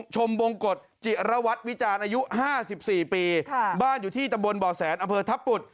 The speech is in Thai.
ชมบงกฎจิระวัตรวิจารณ์อายุ๕๔ปีบ้านอยู่ที่ตำบลบ่อแสนอำเภอทัพปุด